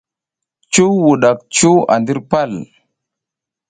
Cuw wuɗak cuw a ndir pal.